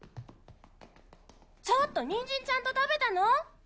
ちょっとニンジンちゃんと食べたの？